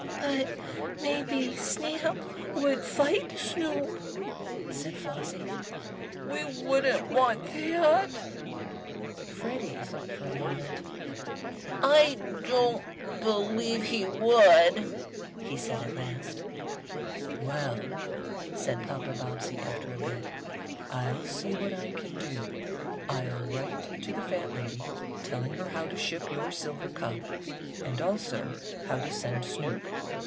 "But maybe Snap would fight Snoop," said Flossie. "We wouldn't want that." Freddie thought for a moment. "I don't believe he would," he said at last. "Well," said Papa Bobbsey, after a bit, "I'll see what I can do. I'll write to the fat lady, telling her how to ship your silver cup, and also how to send Snoop.